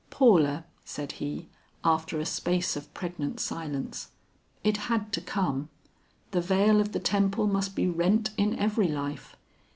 "Paula," said he after a space of pregnant silence, "it had to come. The veil of the temple must be rent in every life.